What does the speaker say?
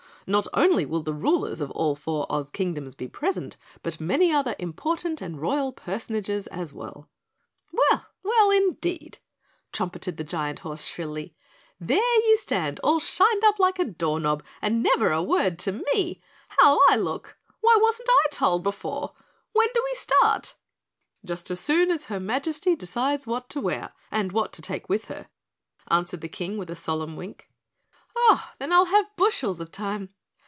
Not only will the rulers of all four Oz Kingdoms be present, but many other important and Royal personages as well." "Well? Well, indeed!" trumpeted the giant horse shrilly. "There you stand all shined up like a door knob and never a word to me. How'll I look? Why wasn't I told before? When do we start?" "Just as soon as her Majesty decides what to wear and what to take with her," answered the King with a solemn wink. "Oh, then I'll have bushels of time."